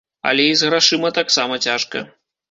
Але і з грашыма таксама цяжка.